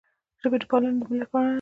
د ژبې پالنه د ملت پالنه ده.